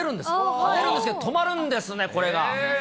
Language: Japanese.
はねるんですけど、止まるんですね、これが。